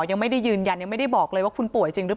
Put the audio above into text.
ยังไม่ได้ยืนยันยังไม่ได้บอกเลยว่าคุณป่วยจริงหรือเปล่า